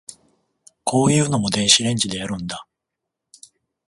こういうのも電子レンジでやるんだ